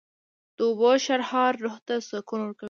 د اوبو شرهار روح ته سکون ورکوي